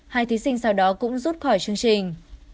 hai thí sinh sau đó cũng rút khỏi chương trình